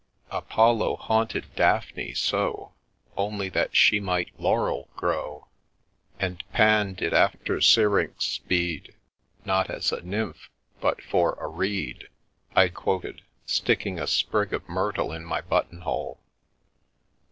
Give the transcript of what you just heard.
" Apollo haunted Daphne so, Only that she might laurel grow ; And Pan did after Syrinx speed* Not as a nymph, but for a reed/' I quoted; sticking a sprig of myrtle in my button hole.